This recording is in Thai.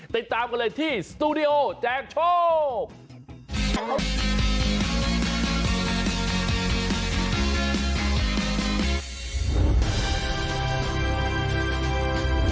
ติดตามกันเลยที่สตูดิโอแจกโชค